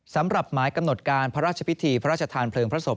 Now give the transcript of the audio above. สำหรับหมายกำหนดการพระราชพิธีพระราชทานเพลิงพระศพ